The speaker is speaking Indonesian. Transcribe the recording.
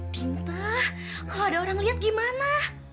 dinta kalau ada orang liat gimana